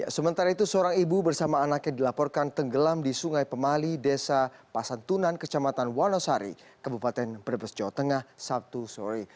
sementara itu seorang ibu bersama anaknya dilaporkan tenggelam di sungai pemali desa pasantunan kecamatan wonosari kabupaten brebes jawa tengah sabtu sore